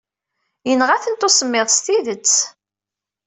Yenɣa-tent usemmiḍ s tidet.